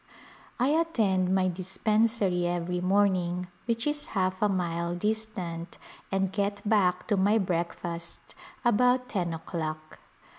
I attend my dispensary every morning, which is half a mile distant and get back to my breakfast about ten o'clock.